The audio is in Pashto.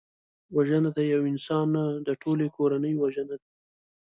وژنه د یو انسان نه، د ټولي کورنۍ وژنه ده